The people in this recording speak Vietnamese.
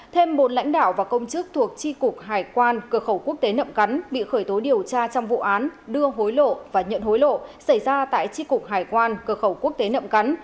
thêm một lãnh đạo và công chức thuộc tri cục hải quan cửa khẩu quốc tế nậm cắn bị khởi tố điều tra trong vụ án đưa hối lộ và nhận hối lộ xảy ra tại tri cục hải quan cửa khẩu quốc tế nậm cắn